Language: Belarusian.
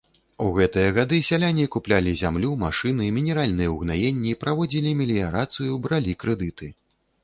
У гэтыя гады сяляне куплялі зямлю, машыны, мінеральныя ўгнаенні, праводзілі меліярацыю, бралі крэдыты.